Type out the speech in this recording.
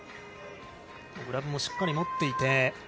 グラブもしっかり持っていて。